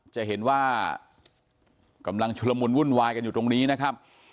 จะเห็นว่ากำลังชุลมุนวุ่นวายกันอยู่ตรงนี้นะครับ